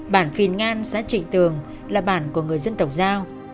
bản phiền ngan xã trịnh tường là bản của người dân tổng giao